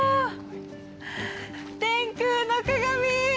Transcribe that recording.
天空の鏡！